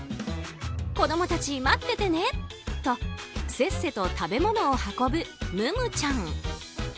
子供たち、待っててねとせっせと食べ物を運ぶムムちゃん。